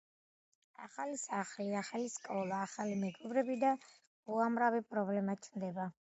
ახალი სახლი, ახალი სკოლა, ახალი მეგობრები და უამრავი პრობლემა ჩნდება.